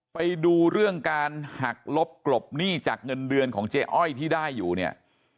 ไปดูเรื่องการหักลบกลบหนี้จากเงินเดือนของเจ๊อ้อยที่ได้อยู่เนี่ย